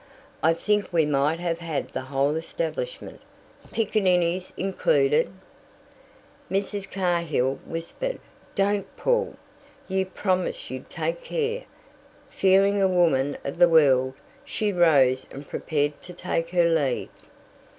I think we might have had the whole establishment, piccaninnies included." Mrs. Cahill whispered: "Don't, Paul. You promised you'd take care." Feeling a woman of the world, she rose and prepared to take her leave.